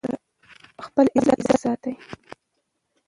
خپل عزت وساتئ.